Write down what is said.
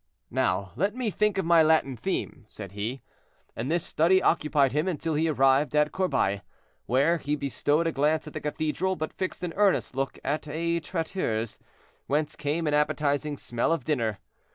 "Now let me think of my Latin theme," said he; and this study occupied him until he arrived at Corbeil, where he bestowed a glance at the cathedral, but fixed an earnest look at a traiteur's, whence came an appetizing smell of dinner.